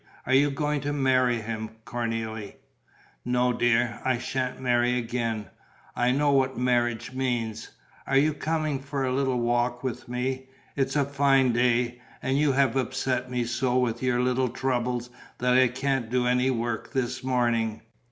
"Are you going to marry him, Cornélie?" "No, dear. I sha'n't marry again. I know what marriage means. Are you coming for a little walk with me? It's a fine day; and you have upset me so with your little troubles that I can't do any work this morning.